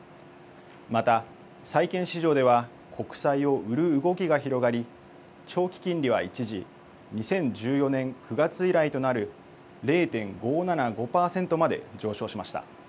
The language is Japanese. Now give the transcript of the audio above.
また債券市場では国債を売る動きが広がり、長期金利は一時２０１４年９月以来となる０．５７５％まで上昇しました。